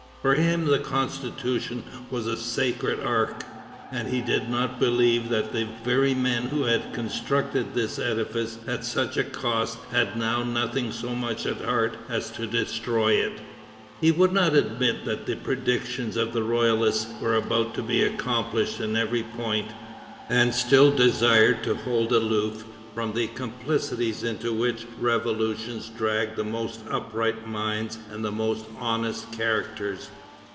For him the Constitution was the sacred ark, and he did not believe that the very men who had constructed this edifice at such a cost had now nothing so much at heart as to destroy it. He would not admit that the predictions of the royalists were about to be accomplished in every point, and still desired to hold aloof from the complicities into which revolutions drag the most upright minds and the most honest characters.